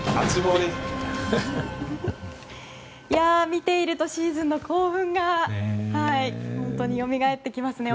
見ているとシーズンの興奮が本当によみがえってきますね。